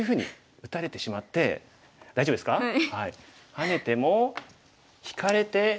ハネても引かれて。